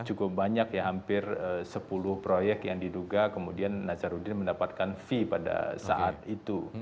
cukup banyak ya hampir sepuluh proyek yang diduga kemudian nazarudin mendapatkan fee pada saat itu